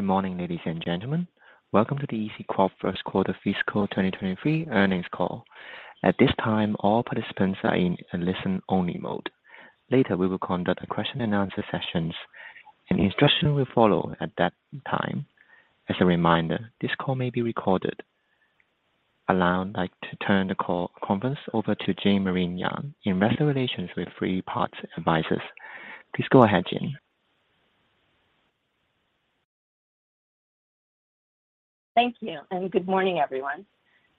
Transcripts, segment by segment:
Good morning, ladies and gentlemen. Welcome to the EZCORP first quarter fiscal 2023 earnings call. At this time, all participants are in a listen-only mode. Later, we will conduct a question and answer sessions. An instruction will follow at that time. As a reminder, this call may be recorded. like to turn the call conference over to Jean Marie Young, investor relations with Three Part Advisors. Please go ahead, Jane. Thank you. Good morning, everyone.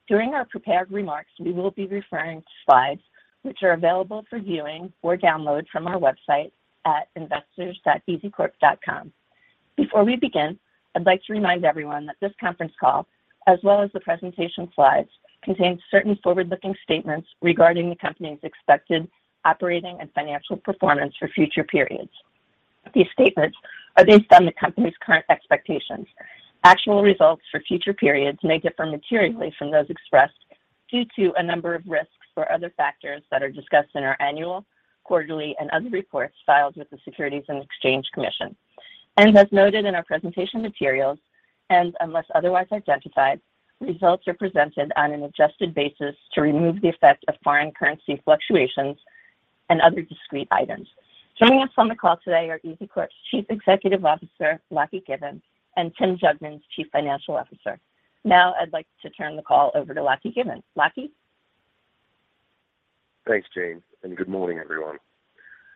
During our prepared remarks, we will be referring to slides which are available for viewing or download from our website at investors.ezcorp.com. Before we begin, I'd like to remind everyone that this conference call, as well as the presentation slides, contains certain forward-looking statements regarding the company's expected operating and financial performance for future periods. These statements are based on the company's current expectations. Actual results for future periods may differ materially from those expressed due to a number of risks or other factors that are discussed in our annual, quarterly, and other reports filed with the Securities and Exchange Commission. As noted in our presentation materials, and unless otherwise identified, results are presented on an adjusted basis to remove the effect of foreign currency fluctuations and other discrete items. Joining us on the call today are EZCORP's Chief Executive Officer, Lachie Given, and Tim Jugmans, Chief Financial Officer. I'd like to turn the call over to Lachie Given. Lachie? Thanks, Jean. Good morning, everyone.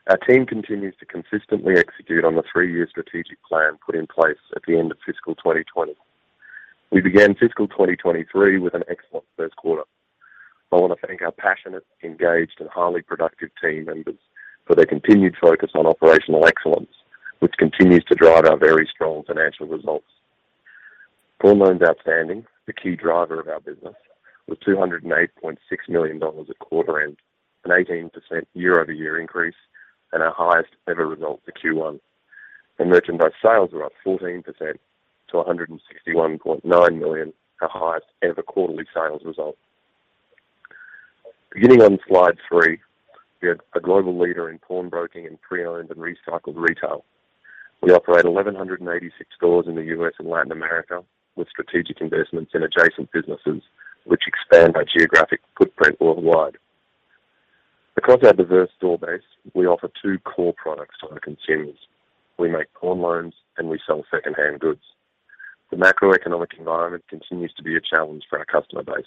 Our team continues to consistently execute on the three-year strategic plan put in place at the end of fiscal 2020. We began fiscal 2023 with an excellent first quarter. I want to thank our passionate, engaged, and highly productive team members for their continued focus on operational excellence, which continues to drive our very strong financial results. Pawn loans outstanding, the key driver of our business, was $208.6 million at quarter end, an 18% year-over-year increase and our highest ever result for Q1. Merchandise sales are up 14% to $161.9 million, our highest ever quarterly sales result. Beginning on slide three, we are a global leader in pawnbroking and pre-owned and recycled retail. We operate 1,186 stores in the U.S. and Latin America, with strategic investments in adjacent businesses which expand our geographic footprint worldwide. Because of our diverse store base, we offer two core products to our consumers. We make pawn loans and we sell second-hand goods. The macroeconomic environment continues to be a challenge for our customer base.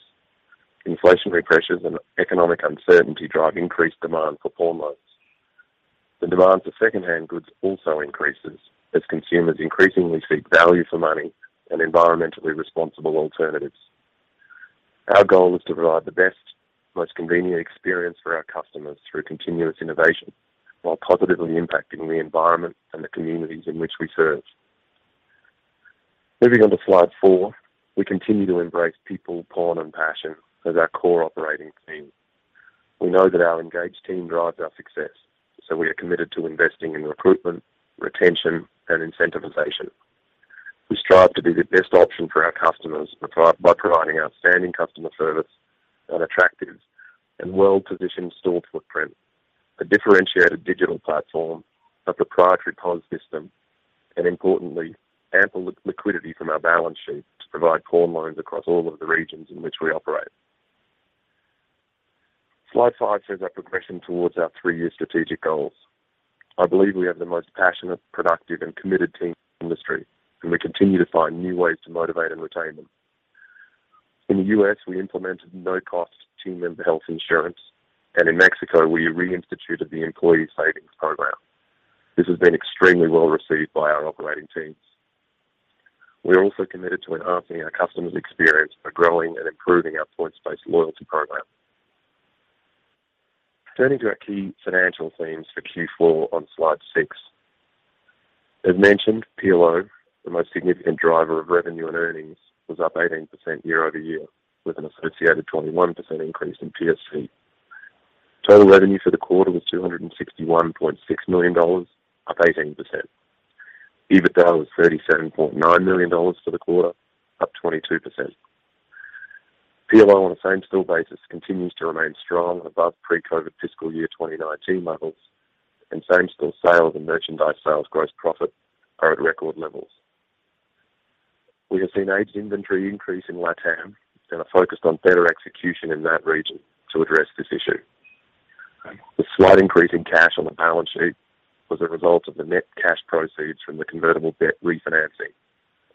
Inflationary pressures and economic uncertainty drive increased demand for pawn loans. The demand for second-hand goods also increases as consumers increasingly seek value for money and environmentally responsible alternatives. Our goal is to provide the best, most convenient experience for our customers through continuous innovation while positively impacting the environment and the communities in which we serve. Moving on to slide four, we continue to embrace people, pawn, and passion as our core operating theme. We know that our engaged team drives our success, so we are committed to investing in recruitment, retention, and incentivization. We strive to be the best option for our customers by providing outstanding customer service, an attractive and well-positioned store footprint, a differentiated digital platform, a proprietary pawn system, and importantly, ample liquidity from our balance sheet to provide pawn loans across all of the regions in which we operate. Slide five shows our progression towards our three-year strategic goals. I believe we have the most passionate, productive, and committed team in the industry, and we continue to find new ways to motivate and retain them. In the U.S., we implemented no-cost team member health insurance, and in Mexico we reinstituted the employee savings program. This has been extremely well received by our operating teams. We are also committed to enhancing our customers' experience by growing and improving our points-based loyalty program. Turning to our key financial themes for Q4 on slide six. As mentioned, PLO, the most significant driver of revenue and earnings, was up 18% year-over-year, with an associated 21% increase in PSC. Total revenue for the quarter was $261.6 million, up 18%. EBITDA was $37.9 million for the quarter, up 22%. PLO on a same-store basis continues to remain strong above pre-COVID fiscal year 2019 levels, and same-store sales and merchandise sales gross profit are at record levels. We have seen aged inventory increase in LATAM and are focused on better execution in that region to address this issue. The slight increase in cash on the balance sheet was a result of the net cash proceeds from the convertible debt refinancing,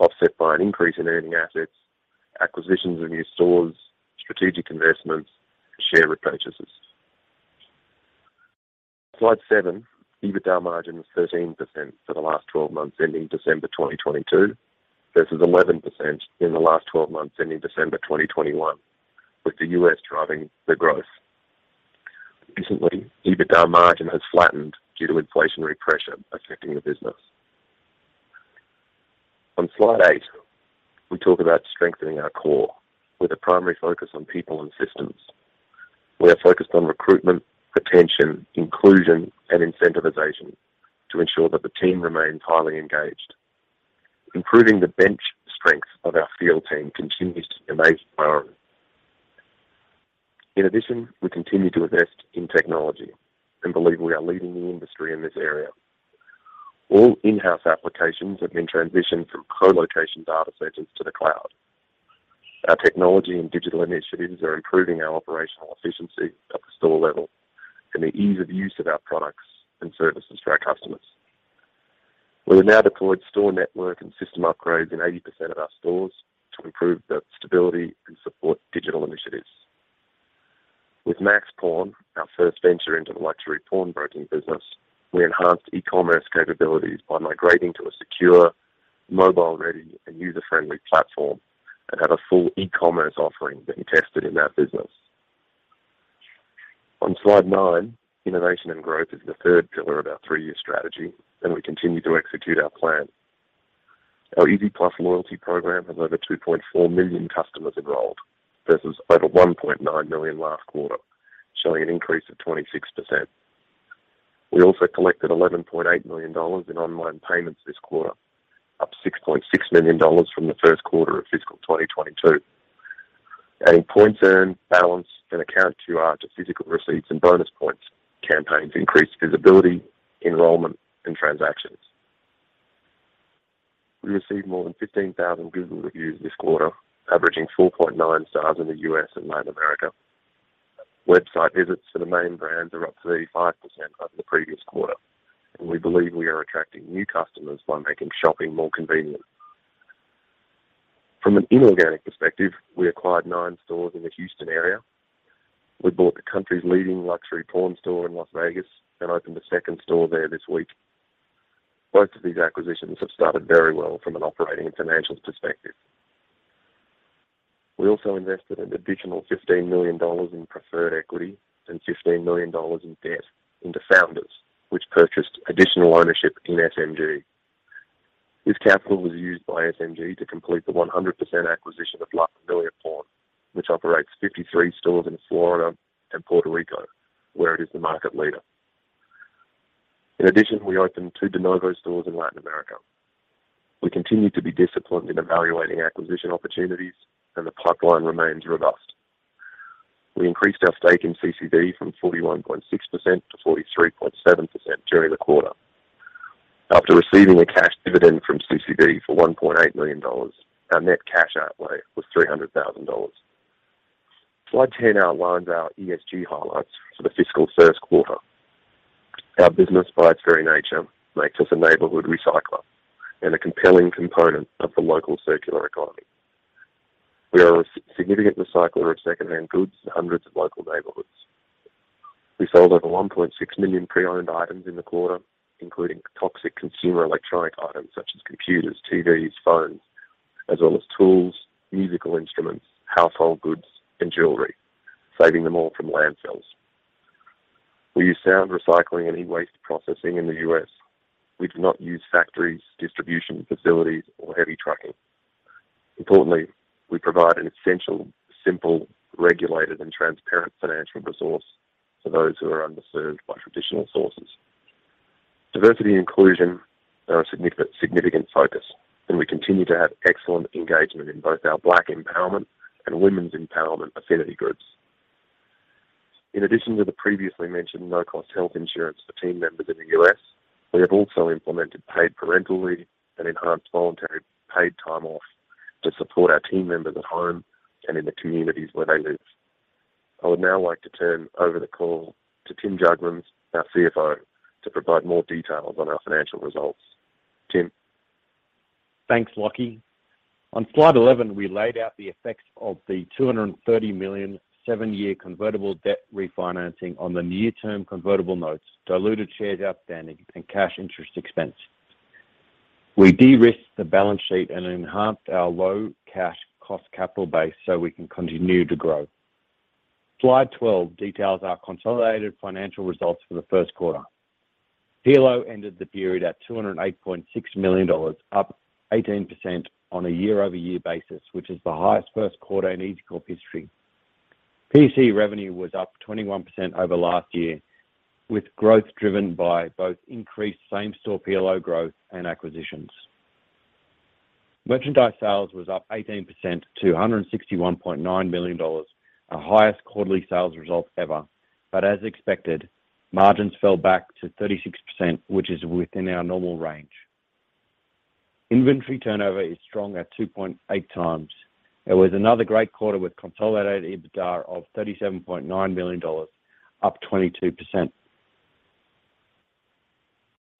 offset by an increase in earning assets, acquisitions of new stores, strategic investments, and share repurchases. Slide seven. EBITDA margin was 13% for the last 12 months ending December 2022 versus 11% in the last 12 months ending December 2021, with the U.S. driving the growth. Recently, EBITDA margin has flattened due to inflationary pressure affecting the business. On slide eight, we talk about strengthening our core with a primary focus on people and systems. We are focused on recruitment, retention, inclusion, and incentivization to ensure that the team remains highly engaged. Improving the bench strength of our field team continues to be a major priority. In addition, we continue to invest in technology and believe we are leading the industry in this area. All in-house applications have been transitioned from co-location data centers to the cloud. Our technology and digital initiatives are improving our operational efficiency at the store level and the ease of use of our products and services for our customers. We have now deployed store network and system upgrades in 80% of our stores to improve the stability and support digital initiatives. With Max Pawn, our first venture into the luxury pawnbroking business, we enhanced e-commerce capabilities by migrating to a secure, mobile-ready, and user-friendly platform and have a full e-commerce offering being tested in that business. On slide nine, innovation and growth is the third pillar of our three-year strategy, and we continue to execute our plan. Our EZ+ loyalty program has over 2.4 million customers enrolled versus over 1.9 million last quarter, showing an increase of 26%. We also collected $11.8 million in online payments this quarter, up $6.6 million from the first quarter of fiscal 2022. Adding points earned, balance, and account QR to physical receipts and bonus points, campaigns increased visibility, enrollment, and transactions. We received more than 15,000 Google reviews this quarter, averaging 4.9 stars in the U.S. and Latin America. Website visits to the main brands are up 35% over the previous quarter, and we believe we are attracting new customers by making shopping more convenient. From an inorganic perspective, we acquired nine stores in the Houston area. We bought the country's leading luxury pawn store in Las Vegas and opened a second store there this week. Both of these acquisitions have started very well from an operating and financial perspective. We also invested an additional $15 million in preferred equity and $15 million in debt into Founders, which purchased additional ownership in SMG. This capital was used by SMG to complete the 100% acquisition of La Familia Pawn, which operates 53 stores in Florida and Puerto Rico, where it is the market leader. We opened two de novo stores in Latin America. We continue to be disciplined in evaluating acquisition opportunities, the pipeline remains robust. We increased our stake in CCV from 41.6%-43.7% during the quarter. After receiving a cash dividend from CCV for $1.8 million, our net cash outlay was $300,000. Slide 10 outlines our ESG highlights for the fiscal first quarter. Our business, by its very nature, makes us a neighborhood recycler and a compelling component of the local circular economy. We are a significant recycler of secondhand goods in hundreds of local neighborhoods. We sold over $1.6 million pre-owned items in the quarter, including toxic consumer electronic items such as computers, TVs, phones, as well as tools, musical instruments, household goods, and jewelry, saving them all from landfills. We use sound recycling and e-waste processing in the U.S. We do not use factories, distribution facilities, or heavy trucking. Importantly, we provide an essential, simple, regulated, and transparent financial resource for those who are underserved by traditional sources. Diversity and inclusion are a significant focus, and we continue to have excellent engagement in both our Black Empowerment and Women's Empowerment Affinity Groups. In addition to the previously mentioned no-cost health insurance for team members in the U.S., we have also implemented paid parental leave and enhanced voluntary paid time off to support our team members at home and in the communities where they live. I would now like to turn over the call to Tim Jugmans, our CFO, to provide more details on our financial results. Tim. Thanks, Lachie. On slide 11, we laid out the effects of the $230 million seven-year convertible debt refinancing on the near-term convertible notes, diluted shares outstanding, and cash interest expense. We de-risked the balance sheet and enhanced our low cash cost capital base so we can continue to grow. Slide 12 details our consolidated financial results for the first quarter. PLO ended the period at $208.6 million, up 18% on a year-over-year basis, which is the highest first quarter in EZCORP history. PSC revenue was up 21% over last year, with growth driven by both increased same-store PLO growth and acquisitions. Merchandise sales was up 18% to $161.9 million, our highest quarterly sales result ever. As expected, margins fell back to 36%, which is within our normal range. Inventory turnover is strong at 2.8x. It was another great quarter with consolidated EBITDA of $37.9 million, up 22%.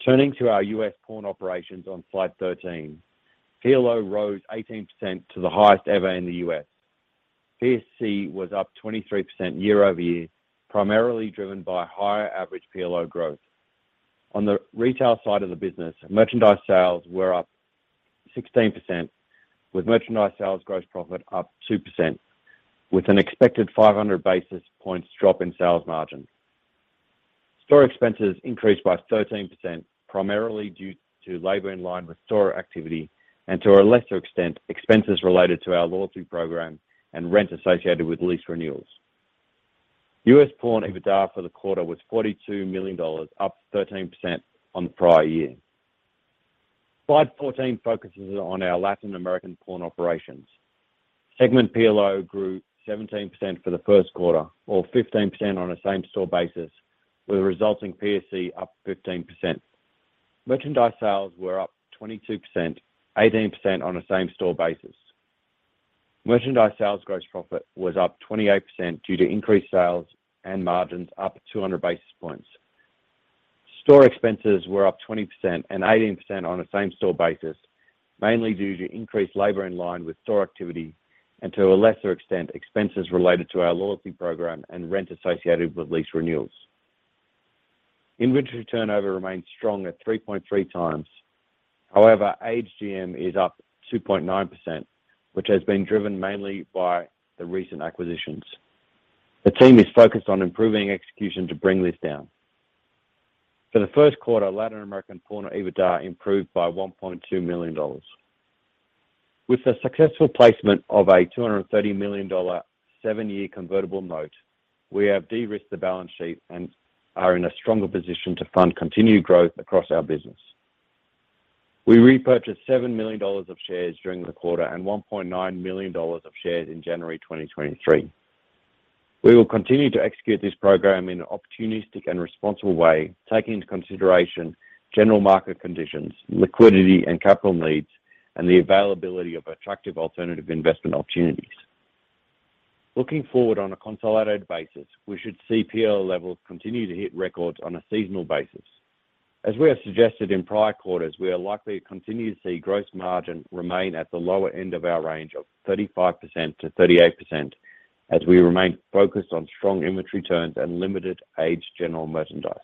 Turning to our U.S. pawn operations on slide 13. PLO rose 18% to the highest ever in the U.S. PSC was up 23% year-over-year, primarily driven by higher average PLO growth. On the retail side of the business, merchandise sales were up 16%, with merchandise sales gross profit up 2%, with an expected 500 basis points drop in sales margin. Store expenses increased by 13%, primarily due to labor in line with store activity and, to a lesser extent, expenses related to our loyalty program and rent associated with lease renewals. U.S. pawn EBITDA for the quarter was $42 million, up 13% on the prior year. Slide 14 focuses on our Latin American pawn operations. Segment PLO grew 17% for the first quarter or 15% on a same-store basis, with a resulting PSC up 15%. Merchandise sales were up 22%, 18% on a same-store basis. Merchandise sales gross profit was up 28% due to increased sales and margins up 200 basis points. Store expenses were up 20% and 18% on a same-store basis, mainly due to increased labor in line with store activity and to a lesser extent, expenses related to our loyalty program and rent associated with lease renewals. Inventory turnover remains strong at 3.3x. However, aged GM is up 2.9%, which has been driven mainly by the recent acquisitions. The team is focused on improving execution to bring this down. For the first quarter, Latin American pawn EBITDA improved by $1.2 million. With the successful placement of a $230 million seven-year convertible note, we have derisked the balance sheet and are in a stronger position to fund continued growth across our business. We repurchased $7 million of shares during the quarter and $1.9 million of shares in January 2023. We will continue to execute this program in an opportunistic and responsible way, taking into consideration general market conditions, liquidity and capital needs, and the availability of attractive alternative investment opportunities. Looking forward on a consolidated basis, we should see PL levels continue to hit records on a seasonal basis. As we have suggested in prior quarters, we are likely to continue to see gross margin remain at the lower end of our range of 35%-38% as we remain focused on strong inventory turns and limited aged general merchandise.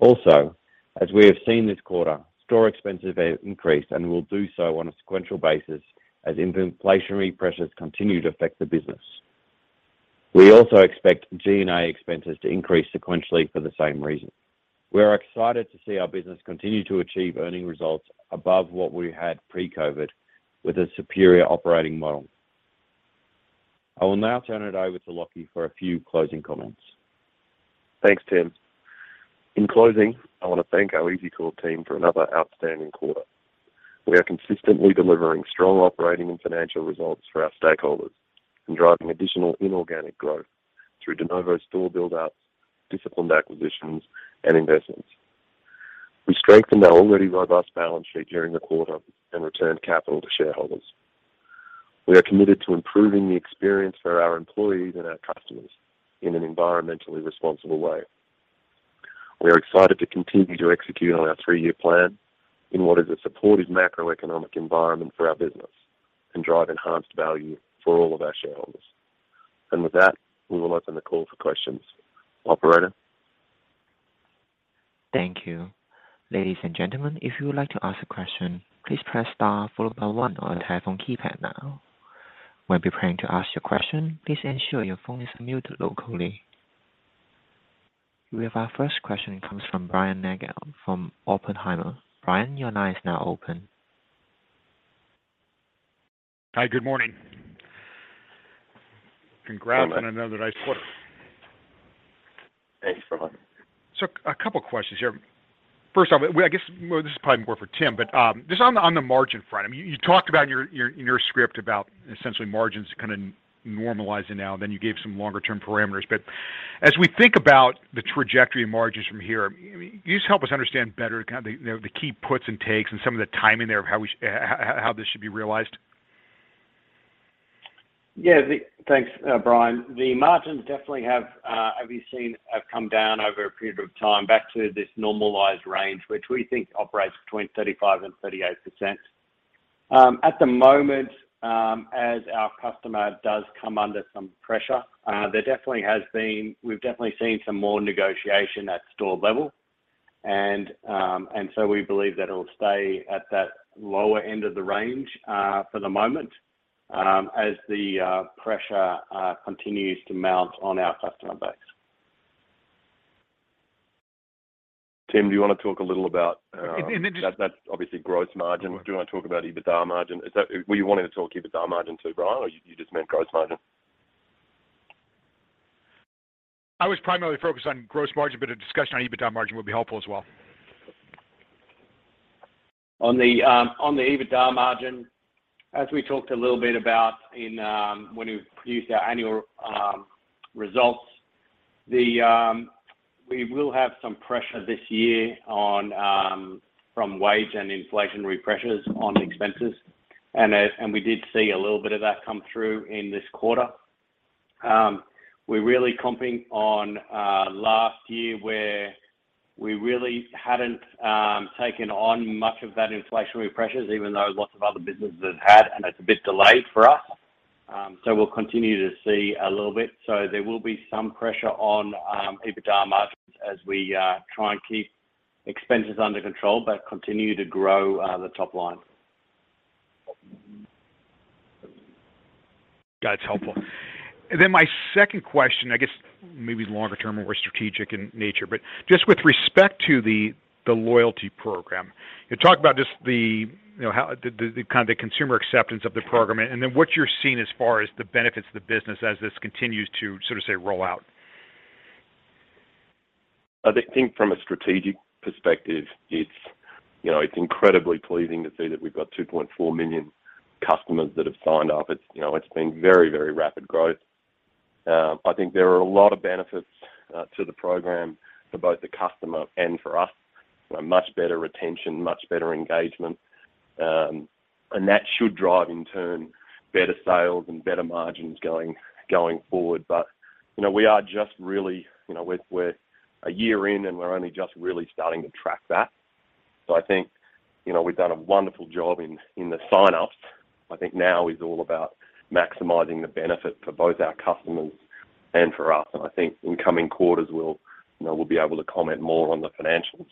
Also, as we have seen this quarter, store expenses have increased and will do so on a sequential basis as inflationary pressures continue to affect the business. We also expect G&A expenses to increase sequentially for the same reason. We are excited to see our business continue to achieve earning results above what we had pre-COVID with a superior operating model. I will now turn it over to Lachie for a few closing comments. Thanks, Tim. In closing, I want to thank our EZCORP team for another outstanding quarter. We are consistently delivering strong operating and financial results for our stakeholders and driving additional inorganic growth through de novo store build-ups, disciplined acquisitions, and investments. We strengthened our already robust balance sheet during the quarter and returned capital to shareholders. We are committed to improving the experience for our employees and our customers in an environmentally responsible way. We are excited to continue to execute on our three-year plan in what is a supportive macroeconomic environment for our business and drive enhanced value for all of our shareholders. With that, we will open the call for questions. Operator. Thank you. Ladies and gentlemen, if you would like to ask a question, please press star followed by one on your telephone keypad now. When preparing to ask your question, please ensure your phone is muted locally. We have our first question. It comes from Brian Nagel from Oppenheimer. Brian, your line is now open. Hi, good morning. Congrats on another nice quarter. Thanks, Brian. A couple of questions here. First off, I guess this is probably more for Tim, but just on the margin front, I mean, you talked about in your script about essentially margins kind of normalizing now, then you gave some longer-term parameters. As we think about the trajectory of margins from here, can you just help us understand better the key puts and takes and some of the timing there of how this should be realized? Yeah. Thanks, Brian. The margins definitely have, as you've seen, have come down over a period of time back to this normalized range, which we think operates between 35%-38%. At the moment, as our customer does come under some pressure, we've definitely seen some more negotiation at store level. We believe that it'll stay at that lower end of the range, for the moment, as the pressure continues to mount on our customer base. Tim, do you want to talk a little about. just- That's obviously gross margin. Do you want to talk about EBITDA margin? Were you wanting to talk EBITDA margin too, Brian, or you just meant gross margin? I was primarily focused on gross margin, but a discussion on EBITDA margin would be helpful as well. On the EBITDA margin, as we talked a little bit about in, when we produced our annual results, we will have some pressure this year on from wage and inflationary pressures on expenses. We did see a little of that come through in this quarter. We're really comping on last year where we really hadn't taken on much of that inflationary pressures, even though lots of other businesses had, and it's a bit delayed for us. We'll continue to see a little bit. There will be some pressure on EBITDA margins as we try and keep expenses under control but continue to grow the top line. Got it. It's helpful. My second question, I guess maybe longer term or strategic in nature, but just with respect to the loyalty program, you talk about just the, you know, how the kind of the consumer acceptance of the program and then what you're seeing as far as the benefits of the business as this continues to sort of say, roll out. I think from a strategic perspective, it's, you know, it's incredibly pleasing to see that we've got 2.4 million customers that have signed up. It's, you know, it's been very, very rapid growth. I think there are a lot of benefits to the program for both the customer and for us. A much better retention, much better engagement. That should drive in turn better sales and better margins going forward. You know, we are just really, you know, we're a year in, and we're only just really starting to track that. I think, you know, we've done a wonderful job in the sign-ups. I think now is all about maximizing the benefit for both our customers and for us. I think in coming quarters, we'll, you know, we'll be able to comment more on the financials.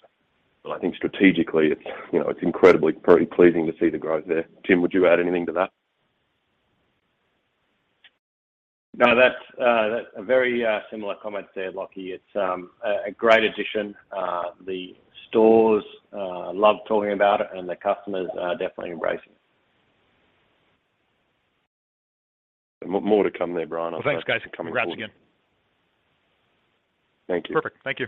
I think strategically, it's, you know, it's incredibly pretty pleasing to see the growth there. Tim, would you add anything to that? No, that's a very similar comment there, Lachie. It's a great addition. The stores love talking about it, and the customers are definitely embracing. More to come there, Brian. Well, thanks, guys. Congrats again. Thank you. Perfect. Thank you.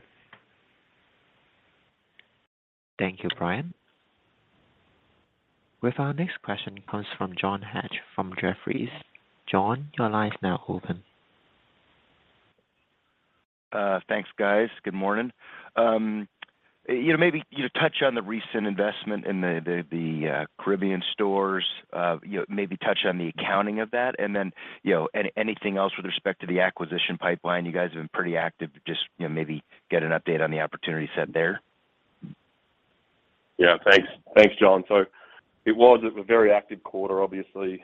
Thank you, Brian. With our next question comes from John Hecht from Jefferies. John, your line is now open. Thanks, guys. Good morning. You know, maybe, you know, touch on the recent investment in the, the Caribbean stores, you know, maybe touch on the accounting of that. Then, you know, anything else with respect to the acquisition pipeline, you guys have been pretty active, just, you know, maybe get an update on the opportunity set there. Yeah, thanks. Thanks, John. It was a very active quarter, obviously.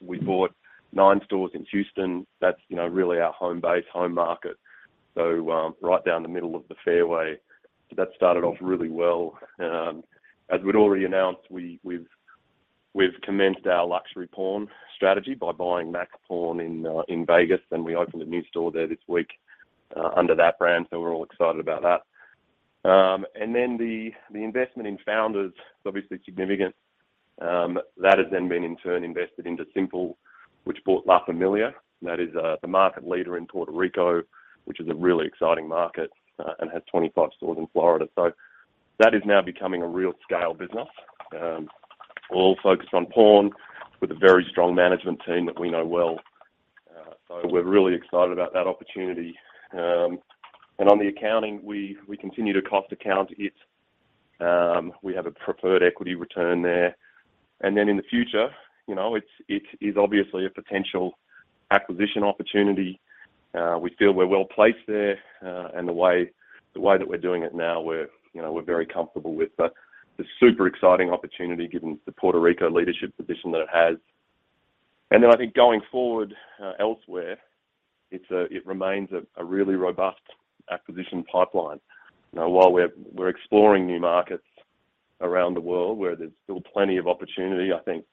We bought nine stores in Houston. That's, you know, really our home base, home market. Right down the middle of the fairway. That started off really well. As we'd already announced, we've commenced our luxury pawn strategy by buying Max Pawn in Vegas, and we opened a new store there this week under that brand, so we're all excited about that. The investment in Founders is obviously significant. That has then been in turn invested into Simple, which bought La Familia. That is the market leader in Puerto Rico, which is a really exciting market, and has 25 stores in Florida. That is now becoming a real scale business, all focused on pawn with a very strong management team that we know well. We're really excited about that opportunity. On the accounting, we continue to cost account it. We have a preferred equity return there. In the future, you know, it is obviously a potential acquisition opportunity. We feel we're well placed there, and the way that we're doing it now, we're, you know, we're very comfortable with. The super exciting opportunity, given the Puerto Rico leadership position that it has. I think going forward, elsewhere, it remains a really robust acquisition pipeline. You know, while we're exploring new markets around the world where there's still plenty of opportunity, I think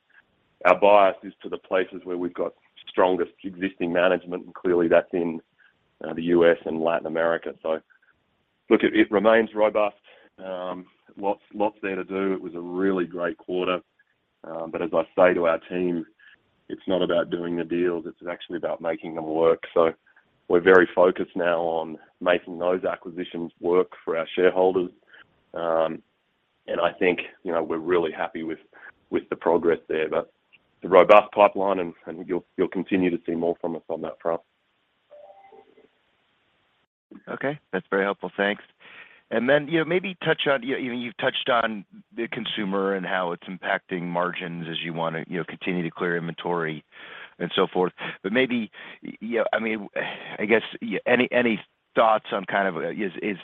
our bias is to the places where we've got strongest existing management. Clearly that's in the U.S. and Latin America. Look, it remains robust. Lots there to do. It was a really great quarter. As I say to our team, it's not about doing the deals, it's actually about making them work. We're very focused now on making those acquisitions work for our shareholders. I think, you know, we're really happy with the progress there. It's a robust pipeline and you'll continue to see more from us on that front. Okay, that's very helpful. Thanks. Then, you know, maybe touch on, you've touched on the consumer and how it's impacting margins as you wanna, you know, continue to clear inventory and so forth. Maybe, yeah, I mean, I guess any thoughts on kind of,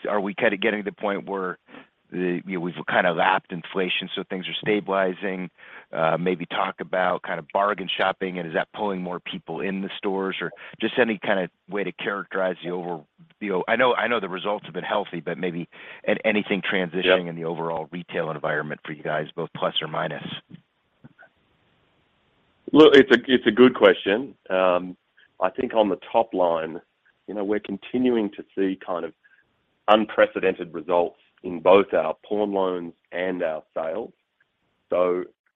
are we kind of getting to the point where the, you know, we've kind of lapped inflation, so things are stabilizing? Maybe talk about kind of bargain shopping and is that pulling more people in the stores or just any kind of way to characterize the over? You know, I know the results have been healthy, but maybe anything transitioning. Yeah. -in the overall retail environment for you guys, both plus or minus? It's a good question. I think on the top line, you know, we're continuing to see kind of unprecedented results in both our pawn loans and our sales.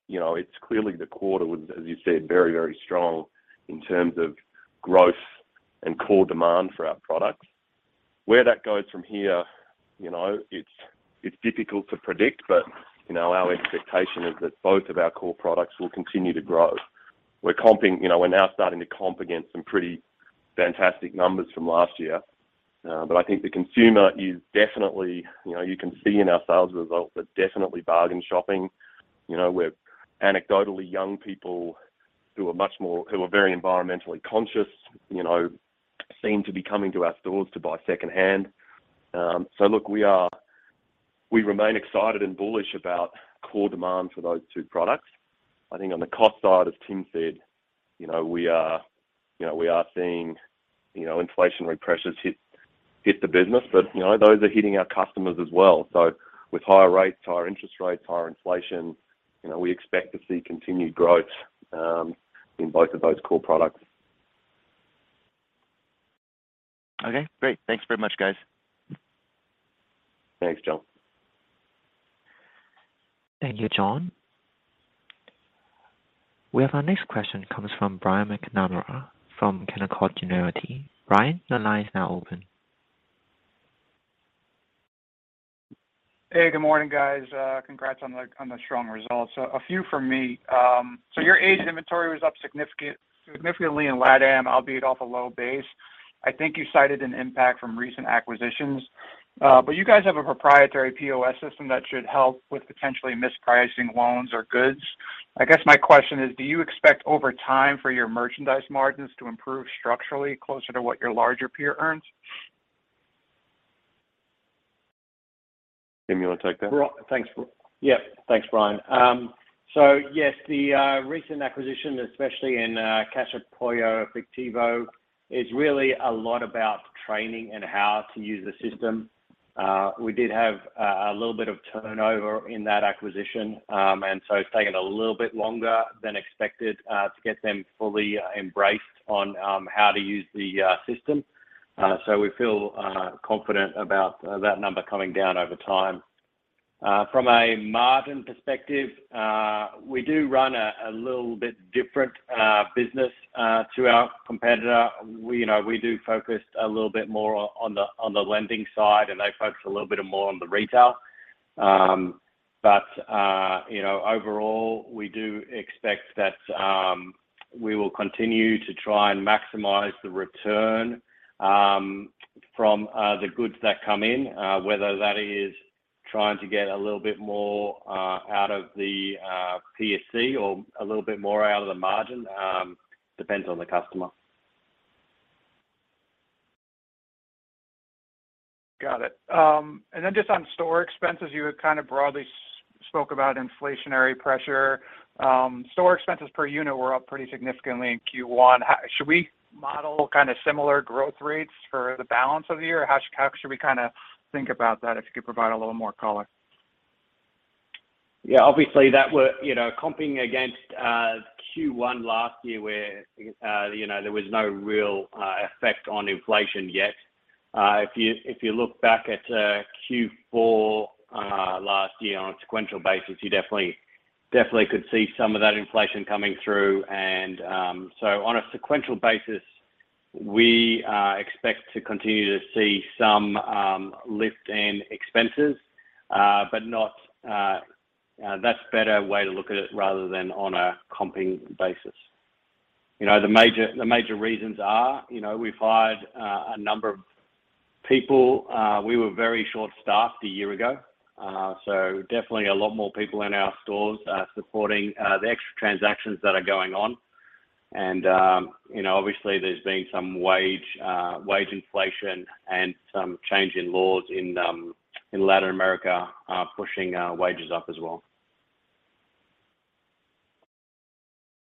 You know, it's clearly the quarter with, as you said, very, very strong in terms of growth and core demand for our products. Where that goes from here, you know, it's difficult to predict, but, you know, our expectation is that both of our core products will continue to grow. We're comping, you know, we're now starting to comp against some pretty fantastic numbers from last year. I think the consumer is definitely, you know, you can see in our sales results, they're definitely bargain shopping. You know, we're anecdotally young people who are much more, who are very environmentally conscious, you know, seem to be coming to our stores to buy second-hand. Look, we remain excited and bullish about core demand for those two products. I think on the cost side, as Tim said, you know, we are, you know, we are seeing, you know, inflationary pressures hit the business. You know, those are hitting our customers as well. With higher rates, higher interest rates, higher inflation, you know, we expect to see continued growth in both of those core products. Okay, great. Thanks very much, guys. Thanks, John. Thank you, John. We have our next question comes from Brian McNamara from Canaccord Genuity. Brian, the line is now open. Hey, good morning, guys. Congrats on the strong results. A few from me. Your aged inventory was up significantly in LATAM, albeit off a low base. I think you cited an impact from recent acquisitions. You guys have a proprietary POS system that should help with potentially mispricing loans or goods. I guess my question is, do you expect over time for your merchandise margins to improve structurally closer to what your larger peer earns? Tim, you wanna take that? Well, thanks. Yep. Thanks, Brian. Yes, the recent acquisition, especially in Casa de Empeño, is really a lot about training and how to use the system. We did have a little bit of turnover in that acquisition, it's taken a little bit longer than expected to get them fully embraced on how to use the system. We feel confident about that number coming down over time. From a margin perspective, we do run a little bit different business to our competitor. We, you know, we do focus a little bit more on the lending side, and they focus a little bit more on the retail. You know, overall, we do expect that we will continue to try and maximize the return from the goods that come in, whether that is trying to get a little bit more out of the PSC or a little bit more out of the margin, depends on the customer. Got it. Then just on store expenses, you kind of broadly spoke about inflationary pressure. Store expenses per unit were up pretty significantly in Q1. Should we model kind of similar growth rates for the balance of the year? How should we kinda think about that, if you could provide a little more color? Yeah. Obviously, that we're, you know, comping against Q1 last year where, you know, there was no real effect on inflation yet. If you, if you look back at Q4 last year on a sequential basis, you definitely could see some of that inflation coming through. On a sequential basis, we expect to continue to see some lift in expenses, but not... That's a better way to look at it rather than on a comping basis. You know, the major reasons are, you know, we've hired a number of people. We were very short-staffed a year ago, so definitely a lot more people in our stores are supporting the extra transactions that are going on. You know, obviously there's been some wage inflation and some change in laws in Latin America pushing wages up as well.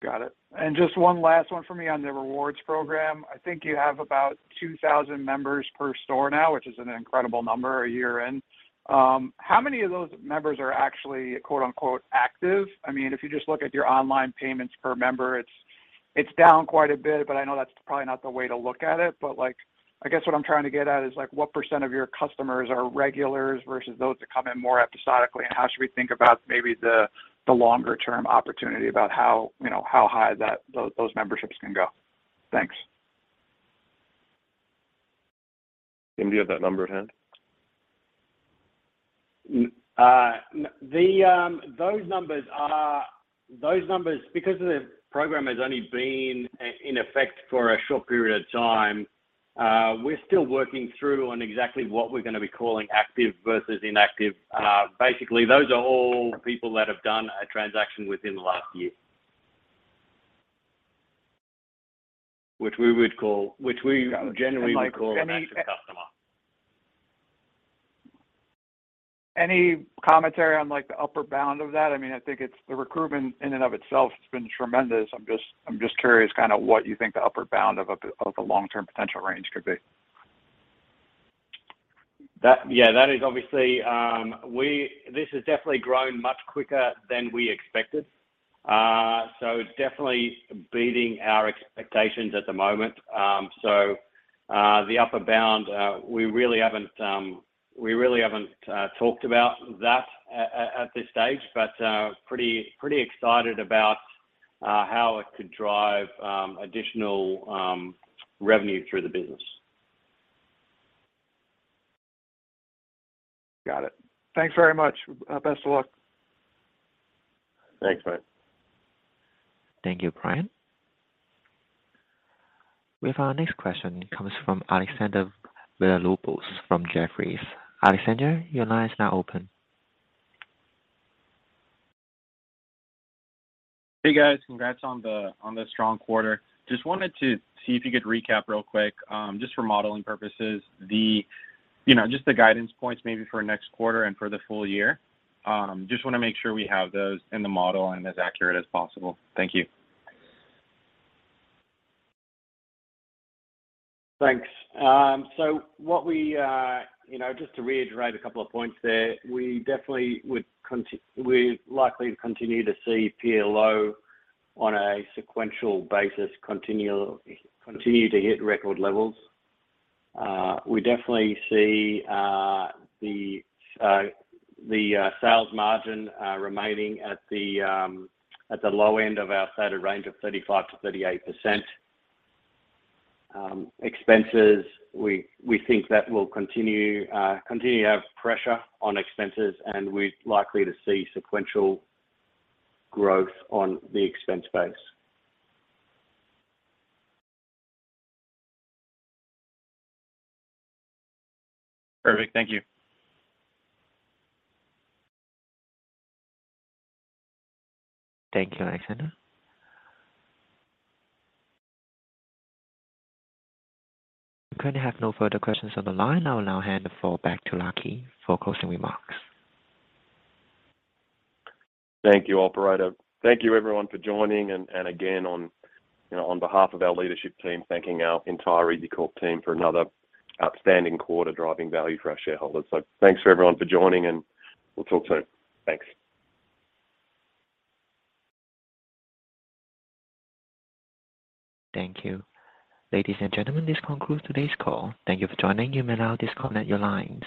Got it. Just one last one for me on the rewards program. I think you have about 2,000 members per store now, which is an incredible number a year in. How many of those members are actually, quote-unquote, "active"? I mean, if you just look at your online payments per member, it's down quite a bit, but I know that's probably not the way to look at it. Like, I guess what I'm trying to get at is, like, what % of your customers are regulars versus those that come in more episodically, and how should we think about maybe the longer term opportunity about how, you know, how high that those memberships can go? Thanks. Tim, do you have that number at hand? Those numbers are, those numbers because the program has only been in effect for a short period of time, we're still working through on exactly what we're gonna be calling active versus inactive. Basically, those are all people that have done a transaction within the last year. Which we generally would call an active customer. Any commentary on, like, the upper bound of that? I mean, I think it's the recruitment in and of itself has been tremendous. I'm just curious kinda what you think the upper bound of the long-term potential range could be. Yeah, that is obviously, this has definitely grown much quicker than we expected. Definitely beating our expectations at the moment. The upper bound, we really haven't talked about that at this stage, but pretty excited about how it could drive additional revenue through the business. Got it. Thanks very much. Best of luck. Thanks, Brian. Thank you, Brian. We have our next question comes from Alexander Villalobos from Jefferies. Alexander, your line is now open. Hey, guys. Congrats on the strong quarter. Just wanted to see if you could recap real quick, just for modeling purposes, the, you know, just the guidance points maybe for next quarter and for the full year. Just wanna make sure we have those in the model and as accurate as possible. Thank you. Thanks. What we, you know, just to reiterate a couple of points there, we're likely to continue to see PLO on a sequential basis continue to hit record levels. We definitely see the sales margin remaining at the low end of our stated range of 35%-38%. Expenses, we think that will continue to have pressure on expenses, and we're likely to see sequential growth on the expense base. Perfect. Thank you. Thank you, Alexander. We currently have no further questions on the line. I will now hand the floor back to Lachie for closing remarks. Thank you, operator. Thank you everyone for joining and, you know, on behalf of our leadership team, thanking our entire EZCORP team for another outstanding quarter driving value for our shareholders. Thanks for everyone for joining, and we'll talk soon. Thanks. Thank you. Ladies and gentlemen, this concludes today's call. Thank you for joining. You may now disconnect your lines.